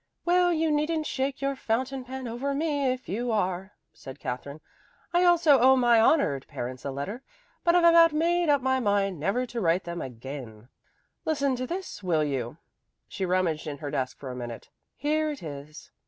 "Well, you needn't shake your fountain pen over me, if you are," said Katherine. "I also owe my honored parents a letter, but I've about made up my mind never to write to them again. Listen to this, will you." She rummaged in her desk for a minute. "Here it is.